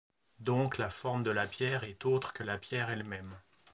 Donc la forme de la pierre est autre que la pierre elle-même.